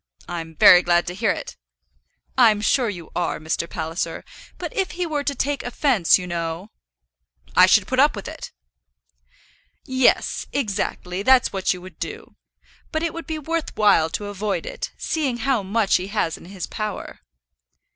"I'm very glad to hear it." "I'm sure you are, Mr. Palliser. But if he were to take offence, you know?" "I should put up with it." "Yes, exactly; that's what you would do. But it would be worth while to avoid it, seeing how much he has in his power."